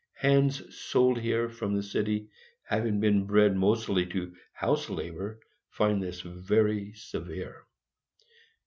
Hands sold here from the city, having been bred mostly to house labor, find this very severe.